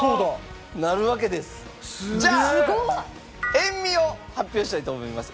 塩味を発表したいと思います。